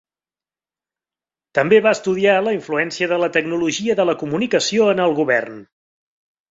També va estudiar la influència de la tecnologia de la comunicació en el govern.